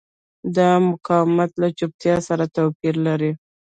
دا مقاومت له چوپتیا سره توپیر لري.